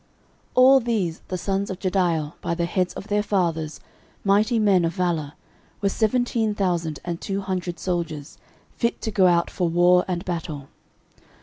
13:007:011 All these the sons of Jediael, by the heads of their fathers, mighty men of valour, were seventeen thousand and two hundred soldiers, fit to go out for war and battle.